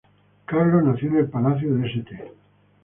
Carlos nació en el palacio de St.